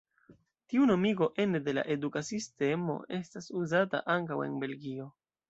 Tiu nomigo ene de la eduka sistemo estas uzata ankaŭ en Belgio.